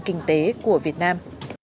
kinh tế của việt nam